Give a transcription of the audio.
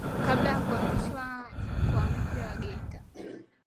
Kabla ya kuanzishwa mkoa mpya wa Geita